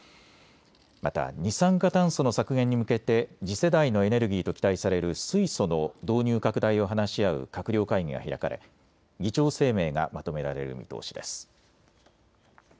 また二酸化炭素の削減に向けて次世代のエネルギーと期待される水素の導入拡大を話し合う閣僚会議が開かれ議長声明がまとめられる見通しです。